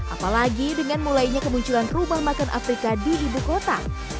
apalagi dengan mulainya kemunculan rumah makan afrika di ibu kota